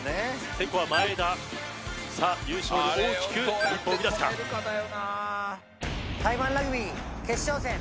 先攻は真栄田さあ優勝に大きく一歩を踏み出すかタイマンラグビー決勝戦